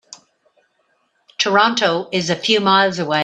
Toronto is a few miles away.